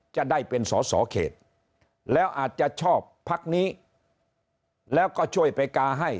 จะได้เป็นสอสอเขตแล้วอาจจะชอบพักนี้แล้วก็ช่วยไปกาให้